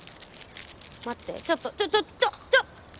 待ってちょっとちょちょちょちょ